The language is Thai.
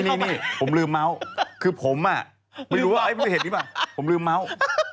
นี่ผมลืมเมาส์คือผมอ่ะไม่รู้ว่าเห็นนี่ไหมผมลืมเมาส์